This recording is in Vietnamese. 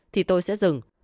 thì tôi sẽ dừng